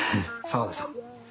沢田さん